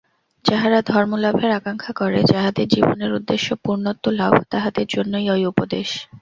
যাহারা ধর্মলাভের আকাঙ্ক্ষা করে, যাহাদের জীবনের উদ্দেশ্য পূর্ণত্ব-লাভ, তাহাদের জন্যই ঐ উপদেশ।